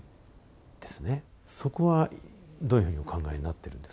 そこはどういうふうにお考えになってるんですか？